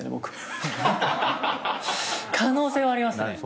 可能性はありますね。